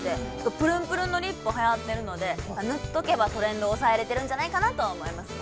ぷるんぷるんのリップがはやっているので、塗っとけば、トレンド押さえているんじゃないかなと思いますね。